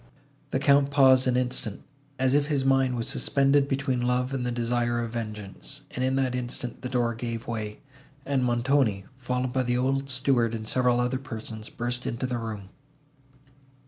The Count paused an instant, as if his mind was suspended between love and the desire of vengeance; and, in that instant, the door gave way, and Montoni, followed by the old steward and several other persons, burst into the room.